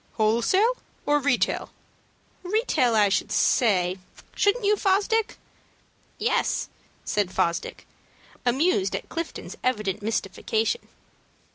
"Wholesale or retail?" "Retail I should say, shouldn't you, Fosdick?" "Yes," said Fosdick, amused at Clifton's evident mystification.